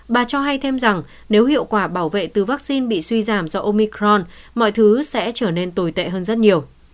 bà cho hay thêm rằng nếu hiệu quả bảo vệ từ vaccine bị suy giảm do omicron mọi thứ sẽ trở nên tồi tệ hơn rất nhiều